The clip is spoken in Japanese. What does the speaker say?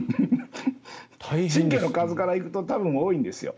神経の数から行くと腸のほうが多分多いんですよ。